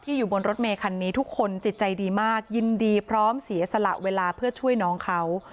อยู่บนรถเมคันนี้ทุกคนจิตใจดีมากยินดีพร้อมเสียสละเวลาเพื่อช่วยน้องเขา